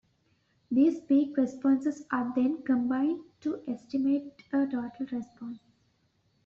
These peak responses are then combined to estimate a total response.